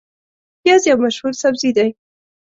پیاز یو مشهور سبزی دی